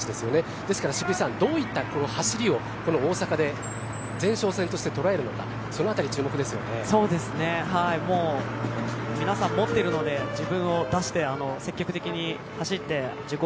ですから渋井さんどういったこの走りを大阪で前哨戦として捉えるのかもう皆さん持ってるので自分を出して、積極的に走って自己